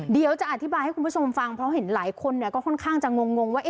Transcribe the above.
เดี๋ยวจะอธิบายให้คุณผู้ชมฟังเพราะเห็นหลายคนก็ค่อนข้างจะงงว่า